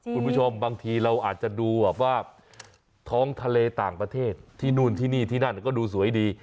บางทีเราอาจจะดูแบบว่าท้องทะเลต่างประเทศที่นู่นที่นี่ที่นั่นก็ดูสวยดี